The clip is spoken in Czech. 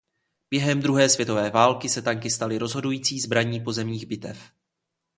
Během druhé světové války se tanky staly rozhodující zbraní pozemních bitev.